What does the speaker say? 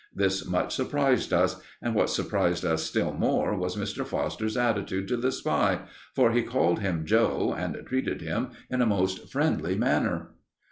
This much surprised us, and what surprised us still more was Mr. Foster's attitude to the spy, for he called him "Joe," and treated him in a most friendly manner.